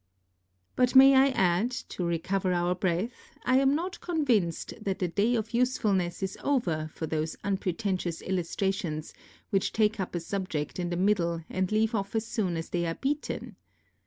But may I add, to recover our breath, I am not con vinced that the day of usefulness is over for those un pretentious illustrations which take up a subject in the middle and leave off as soon as they are beaten